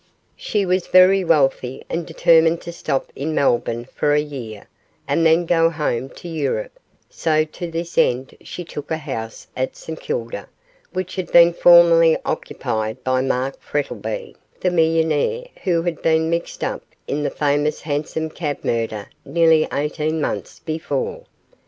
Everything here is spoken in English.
She was very wealthy, and determined to stop in Melbourne for a year, and then go home to Europe, so to this end she took a house at St Kilda, which had been formerly occupied by Mark Frettlby, the millionaire, who had been mixed up in the famous hansom cab murder nearly eighteen months before.